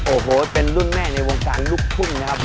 โอ้โหเป็นรุ่นแม่ในวงการลูกทุ่งนะครับ